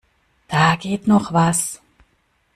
Da geht noch was.